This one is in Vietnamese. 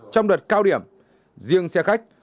trong đợt cao điểm riêng xe khách